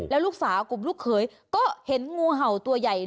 แล้วลูกสาวกลุ่มลูกเขยก็เห็นงูเห่าตัวใหญ่